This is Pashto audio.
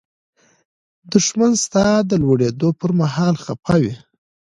دښمن ستا د لوړېدو پر مهال خپه وي